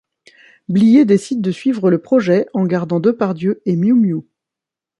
Blier décide de suivre le projet, en gardant Depardieu et Miou-Miou.